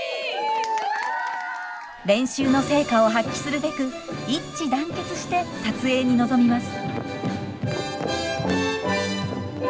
練習の成果を発揮するべく一致団結して撮影に臨みます。